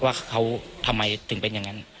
ว่าเขาทำไมถึงเป็นอย่างนั้น